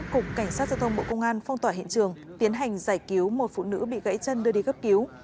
cục cảnh sát giao thông bộ công an phong tỏa hiện trường tiến hành giải cứu một phụ nữ bị gãy chân đưa đi cấp cứu